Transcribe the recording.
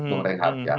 untuk rehat ya